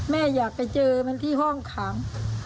แม่อยากไปเจอมันที่ห้องขัง